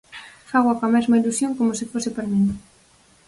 Fágoa coa mesma ilusión como se fose para min.